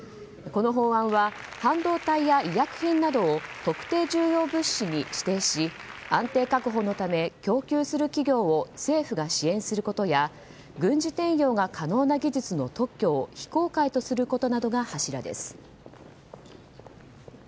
この法案は半導体や医薬品などを特定重要物資に指定し安定確保のため供給する企業を政府が支援することや軍事転用が可能な技術の特許を非公開とすることなどが柱です。